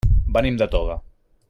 Venim de Toga.